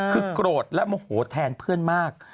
คือโกรธและโมโหแทนเพื่อนมาก